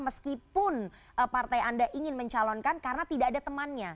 meskipun partai anda ingin mencalonkan karena tidak ada temannya